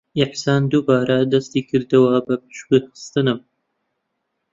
ئیحسان دووبارە دەستی کردووە بە پشتگوێخستنم.